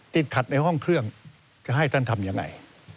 ติดขัดในห้องเครื่องจะให้ท่านทำยังไง